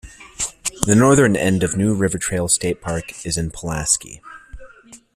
The northern end of New River Trail State Park is in Pulaski.